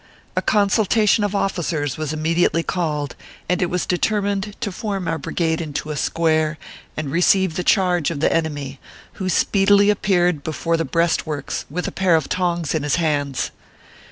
A consultation of officers was immediately called, and it was determined to form our brigade into a square, and receive the charge of the enemy, who speedily appeared before the breast works with a pair of tongs in his hands.